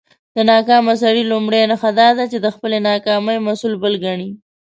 د ناکامه سړى لومړۍ نښه دا ده، چې د خپلى ناکامۍ مسول بل کڼې.